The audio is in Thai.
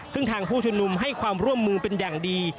ซึ่งทางผู้ชุมนุมให้ความร่วมมือเป็นอย่างดี